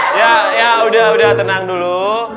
ya ya ya ya udah udah tenang dulu